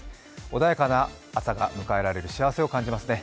穏やかな朝が迎えられる幸せを感じますね。